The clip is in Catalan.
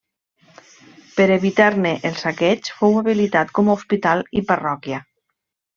Per evitar-ne el saqueig fou habilitat com a hospital i parròquia.